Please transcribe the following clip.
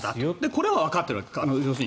これはわかってるわけです。